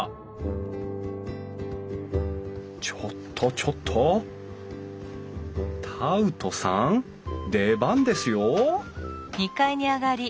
ちょっとちょっとタウトさん出番ですよ